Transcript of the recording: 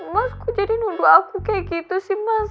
mas kok jadi nuduh aku kayak gitu sih mas